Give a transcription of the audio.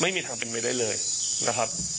ไม่มีทางเป็นไปได้เลยนะครับ